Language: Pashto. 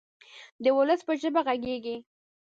د ولس په ژبه غږیږي.